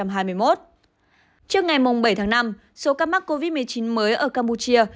trước ngày bảy tháng năm số ca mắc covid một mươi chín mới ở campuchia